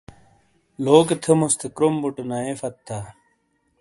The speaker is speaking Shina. لوکے تھیموس تھے کروم بُوٹو نَئیے پھَت تھا۔